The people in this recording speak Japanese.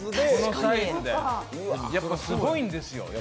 やっぱすごいんですよ。